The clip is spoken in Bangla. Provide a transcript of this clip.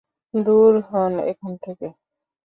দূর হোন এখান থেকে।